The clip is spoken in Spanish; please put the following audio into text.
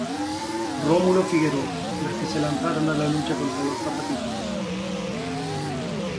Rómulo Figueroa, las que se lanzaron a la lucha contra los zapatistas.